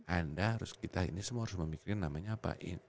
anda harus kita ini semua harus memikirkan namanya apa